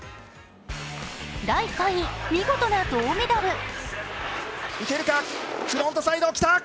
第３位、見事な銅メダル。